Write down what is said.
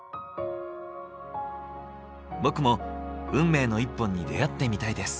僕も運命の一本に出会ってみたいです。